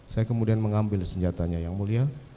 saya kemudian mengambil senjatanya yang mulia